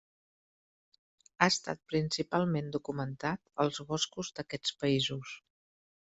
Ha estat principalment documentat als boscos d'aquests països.